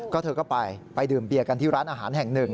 ก็เธอก็ไปไปดื่มเบียกันที่ร้านอาหารแห่งหนึ่ง